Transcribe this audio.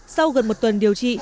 sau gần một tuần điều trị